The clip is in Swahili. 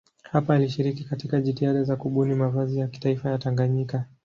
Hapa alishiriki katika jitihada za kubuni mavazi ya kitaifa ya Tanganyika.